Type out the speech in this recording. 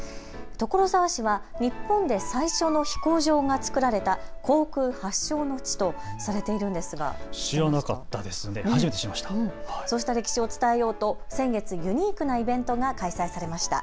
所沢市は日本で最初の飛行場がつくられた航空発祥の地とされているんですがそうした歴史を伝えようと先月、ユニークなイベントが開催されました。